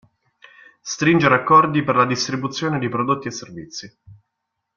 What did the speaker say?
Stringere accordi per la distribuzione di prodotti e servizi.